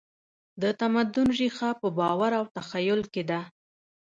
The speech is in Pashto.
د تمدن ریښه په باور او تخیل کې ده.